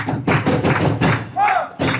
โอ้โฮโอ้โฮโอ้โฮโอ้โฮ